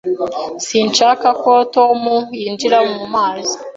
Sinshaka ko Tom yinjira mu mazi.